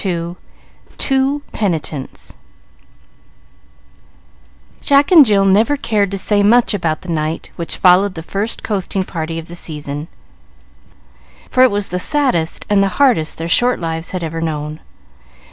Two Penitents Jack and Jill never cared to say much about the night which followed the first coasting party of the season, for it was the saddest and the hardest their short lives had ever known.